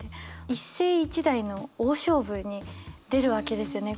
一世一代の大勝負に出るわけですよね。